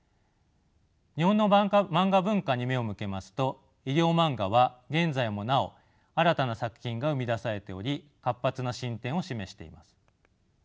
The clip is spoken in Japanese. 日本のマンガ文化に目を向けますと医療マンガは現在もなお新たな作品が生み出されており活発な進展を示しています。